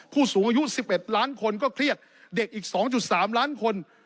ผู้สูงอายุ๑๑ล้านคนก็เครียดเด็กอีก๒๓ล้านคน